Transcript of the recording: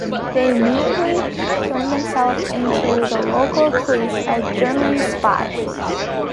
They immediately turned themselves in to the local police as German spies.